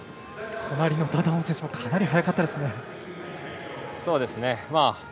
隣のダダオン選手もかなり速かったですね。